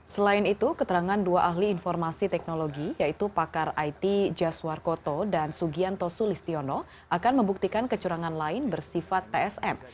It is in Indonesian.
selain itu keterangan dua ahli informasi teknologi yaitu pakar it jaswarkoto dan sugianto sulistiono akan membuktikan kecurangan lain bersifat tsm